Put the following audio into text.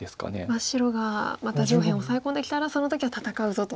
白がまた上辺をオサエ込んできたらその時は戦うぞと。